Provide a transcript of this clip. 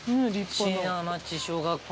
椎名町小学校。